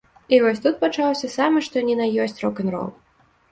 І вось тут пачаўся самы што ні на ёсць рок-н-рол.